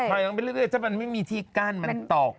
ยังไปเรื่อยถ้ามันไม่มีที่กั้นมันตก